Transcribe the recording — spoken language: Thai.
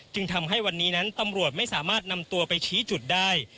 จึงทำให้วันนี้นั้นตำรวจไม่สามารถนำตัวไปชี้จุดได้